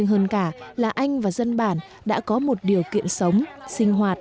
hơn cả là anh và dân bản đã có một điều kiện sống sinh hoạt